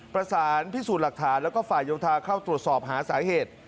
ประสานพิสูจน์หลักฐานแล้วก็ฝ่ายโยธาเข้าตรวจสอบหาสาเหตุ